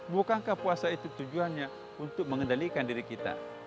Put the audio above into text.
bukankah puasa itu tujuannya untuk mengendalikan diri kita